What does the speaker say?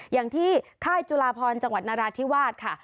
อย่างที่ค่ายจุลาพรจังหวัดนราธิวาสค่ะ